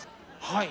はい。